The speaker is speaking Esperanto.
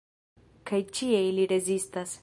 Kaj ĉie ili rezistas.